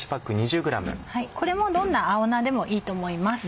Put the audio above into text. これもどんな青菜でもいいと思います。